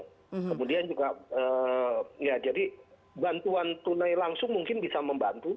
kemudian juga ya jadi bantuan tunai langsung mungkin bisa membantu